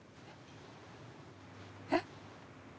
えっ？